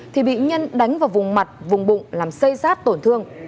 thì bị nhân đánh vào vùng mặt vùng bụng làm xây rát tổn thương